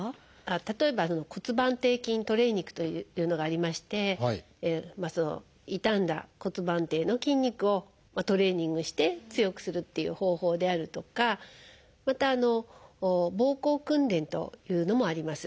例えば「骨盤底筋トレーニング」というのがありまして傷んだ骨盤底の筋肉をトレーニングして強くするっていう方法であるとかまた「ぼうこう訓練」というのもあります。